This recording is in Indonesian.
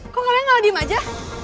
kok kalian gak diem aja